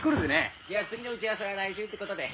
では次の打ち合わせは来週って事で。